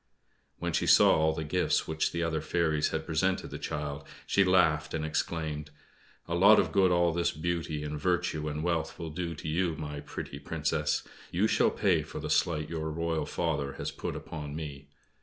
When she saw all the gifts which the other fairies had presented the child, she laughed and exclaimed: "A lot of good all this beauty and virtue and wealth will do to you, my pretty Princess! You shall pay for the slight your Royal Father has put upon me!"